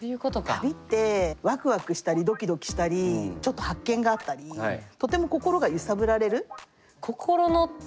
旅ってワクワクしたりドキドキしたりちょっと発見があったりとてもはい！